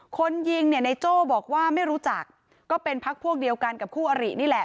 คนยิงเนี่ยในโจ้บอกว่าไม่รู้จักก็เป็นพักพวกเดียวกันกับคู่อรินี่แหละ